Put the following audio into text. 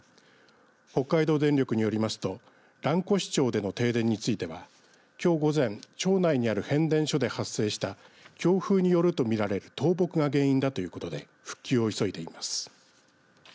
北海道電力によりますと蘭越町での停電についてはきょう午前町内にある変電所で発生した強風によると見られる倒木が原因だということで復旧を急いでいます。